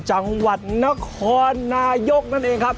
จังหวัดนครนายกนั่นเองครับ